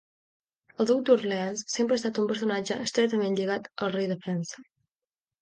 El duc d'Orleans sempre ha estat un personatge estretament lligat al rei de França.